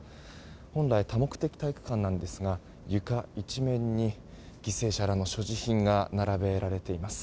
本来、多目的体育館なんですが床一面に犠牲者らの所持品が並べられています。